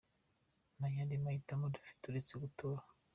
Nta yandi mahitamo dufite uretse gutora.